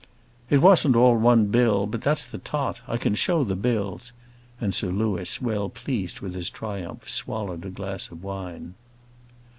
"It wasn't all one bill; but that's the tot. I can show the bills:" and Sir Louis, well pleased with his triumph, swallowed a glass of wine.